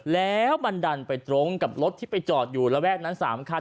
แล้วมันดันไปตรงกับรถที่ไปจอดอยู่ระแวกนั้น๓คัน